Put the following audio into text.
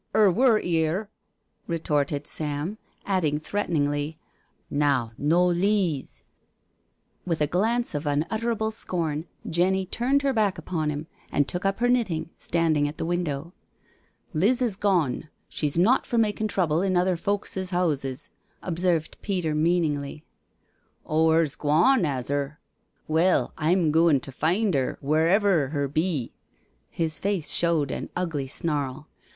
" '£r wur 'ere," retorted Sam, adding threateningly, " Now^ no lees " 12 NO SURRENDER With' a Iglance of unutterable scorn, Jenny turned her back upon him and took up her knitting, standing at the window. *' Liz 'as gone — she's not for makin' trouble in other folk's houses/' observed Peter meaningly. •• Oh, her's gwon, has 'er— well, I'm gooin' to find *er wheerever her be." His face showed an ugly snarl.